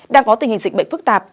đang có tình hình dịch bệnh phức tạp